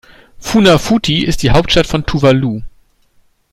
Funafuti ist die Hauptstadt von Tuvalu.